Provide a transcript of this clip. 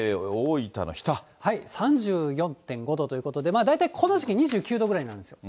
３４．５度ということで、大体この時期２９度ぐらいなんですよ。